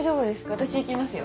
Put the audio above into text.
私行きますよ